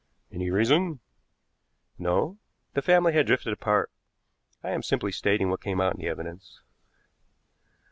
"Any reason?" "No; the family had drifted apart. I am simply stating what came out in the evidence."